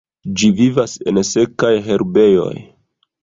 Ĝi vivas en sekaj herbejoj.